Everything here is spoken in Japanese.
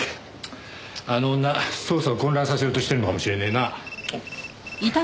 あの女捜査を混乱させようとしてるのかもしれねえな。